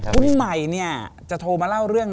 คุณใหม่เนี่ยจะโทรมาเล่าเรื่อง